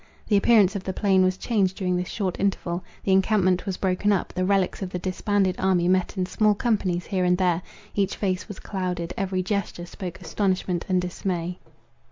The appearance of the plain was changed during this short interval; the encampment was broken up; the relics of the disbanded army met in small companies here and there; each face was clouded; every gesture spoke astonishment and dismay.